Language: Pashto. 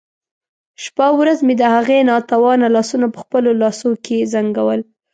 شپه او ورځ مې د هغه ناتوانه لاسونه په خپلو لاسو کې زنګول.